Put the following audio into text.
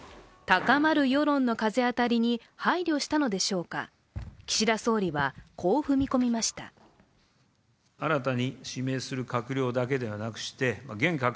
高まる世論の風当たりに配慮したのでしょうか、岸田総理は、こう踏み込みました。